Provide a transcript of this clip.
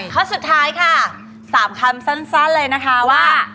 ข้อสุดท้ายค่ะ๓คำสั้นเลยนะคะว่า